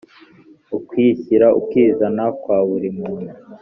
ukwishyira ukizana kwa buri muntu